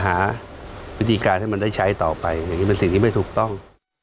หาวิธีการให้มันได้ใช้ต่อไปอย่างนี้เป็นสิ่งที่ไม่ถูกต้อง